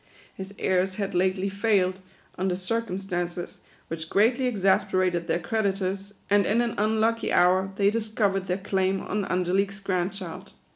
His heirs had lately failed, under circumstances which greatly exasperated their cre ditors ; and in an unlucky hour, they discovered their claim on Angelique's grand child.